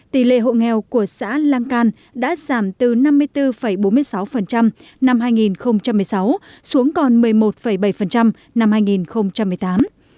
tỷ lệ hộ nghèo của xã lăng can đã giảm từ năm mươi bốn bốn mươi sáu năm hai nghìn một mươi sáu xuống còn một mươi một bảy năm hai nghìn một mươi tám